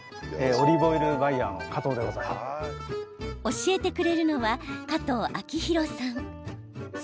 教えてくれるのは加藤昭広さん。